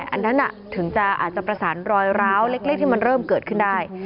อันนั้นถึงจะอาจจะประสานรอยร้าวเล็กที่มันเริ่มเกิดขึ้นได้